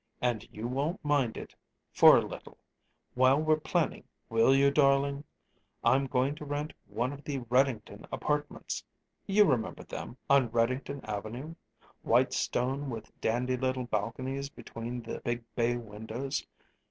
"And you won't mind it, for a little, while we're planning, will you, darling? I'm going to rent one of the Reddington apartments. You remember them on Reddington Avenue; white stone with dandy little balconies between the big bay windows.